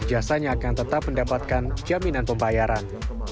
jasanya akan tetap mendapatkan jaminan pembayaran